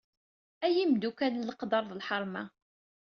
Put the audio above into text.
Ay imeddukal n leqder d lḥerma.